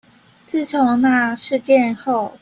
自從那事件後